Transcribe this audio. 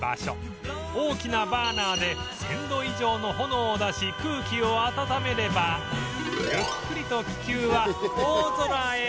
大きなバーナーで１０００度以上の炎を出し空気を暖めればゆっくりと気球は大空へ